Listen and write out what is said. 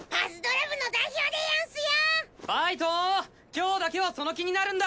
今日だけはその気になるんだ。